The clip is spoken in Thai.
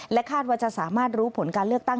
คาดว่าจะสามารถรู้ผลการเลือกตั้ง